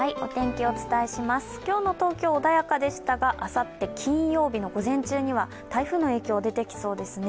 今日の東京、穏やかでしたが、あさって金曜日の午前中には台風の影響、出てきそうですね